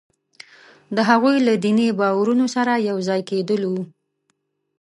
د هغوی له دیني باورونو سره یو ځای کېدلو وو.